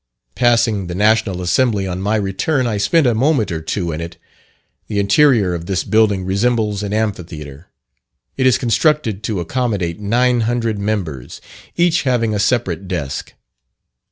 Passing the National Assembly on my return, I spent a moment or two in it. The interior of this building resembles an amphitheatre. It is constructed to accommodate 900 members, each having a separate desk.